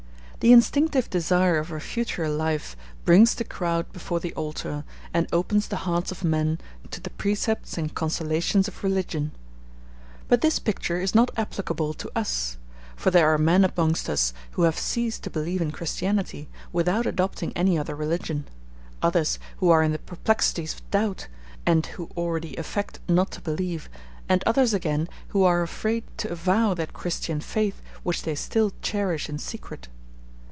The instinctive desire of a future life brings the crowd about the altar, and opens the hearts of men to the precepts and consolations of religion. But this picture is not applicable to us: for there are men amongst us who have ceased to believe in Christianity, without adopting any other religion; others who are in the perplexities of doubt, and who already affect not to believe; and others, again, who are afraid to avow that Christian faith which they still cherish in secret.